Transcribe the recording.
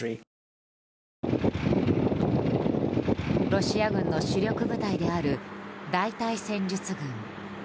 ロシア軍の主力部隊である大隊戦術群。